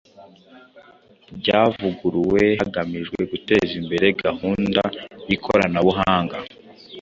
ryavuguruwe hagamijwe guteza imbere gahunda y’ikoranabuhanga